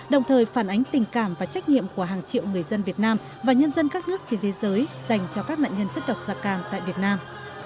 đồng thời phản ánh tình cảm và trách nhiệm của hàng triệu người dân việt nam và nhân dân các nước trên thế giới dành cho các nạn nhân chất độc da cam tại việt nam